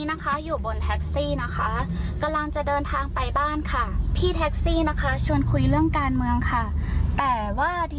แนวไทยเพิ่งเลิกงานมาไม่อยากคุยเรื่องนี้